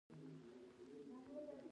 دغه صنعت بايد په نړيواله کچه پراخ شي.